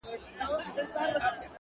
چي له بې ميني ژونده؛